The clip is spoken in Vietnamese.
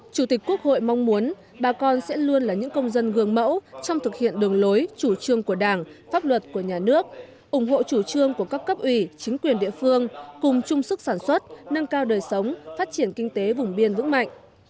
chủ tịch quốc hội mong muốn bà con sẽ luôn là những công dân gương mẫu trong thực hiện đường lối chủ trương của đảng pháp luật của nhà nước ủng hộ chủ trương của các cấp ủy chính quyền địa phương cùng chung sức sản xuất nâng cao đời sống phát triển kinh tế vùng biên vững mạnh